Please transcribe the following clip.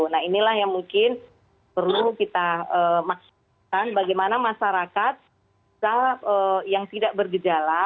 nah inilah yang mungkin perlu kita maksudkan bagaimana masyarakat yang tidak bergejala